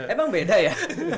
emang beda ya